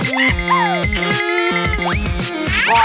ควรกิจการ์